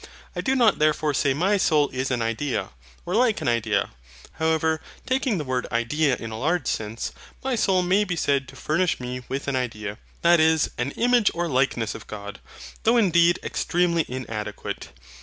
I do not therefore say my soul is an idea, or like an idea. However, taking the word IDEA in a large sense, my soul may be said to furnish me with an idea, that is, an image or likeness of God though indeed extremely inadequate.